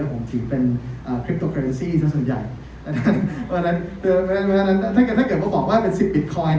ผมถือเป็นส่วนใหญ่แต่ถ้าเกิดผมบอกว่าเป็นสิบบิตคอยน์เนี่ย